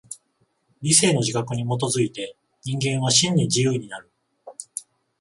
理性の自覚に基づいて人間は真に自由になる。